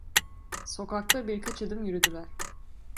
Sokakta birkaç adım yürüdüler.